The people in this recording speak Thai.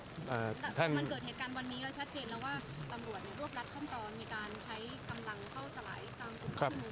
มันเกิดเหตุการณ์วันนี้แล้วชัดเจนแล้วว่าอำรวจรวบรัฐข้อมตอมมีการใช้กำลังเข้าสลาย